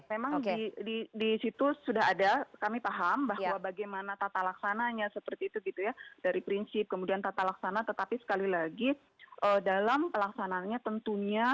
memang di situ sudah ada kami paham bahwa bagaimana tata laksananya seperti itu gitu ya dari prinsip kemudian tata laksana tetapi sekali lagi dalam pelaksanaannya tentunya